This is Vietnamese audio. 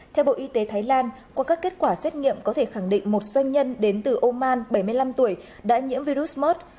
theo bộ y tế thái lan qua các kết quả xét nghiệm có thể khẳng định một doanh nhân đến từ oman bảy mươi năm tuổi đã nhiễm virus